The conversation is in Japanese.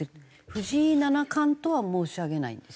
「藤井七冠」とは申し上げないんですよね？